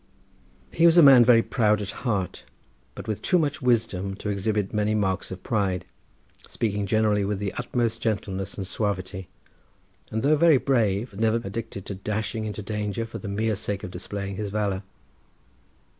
He was a man very proud at heart, but with too much wisdom to exhibit many marks of pride, speaking generally with the utmost gentleness and suavity, and though very brave never addicted to dashing into danger for the mere sake of displaying his valour.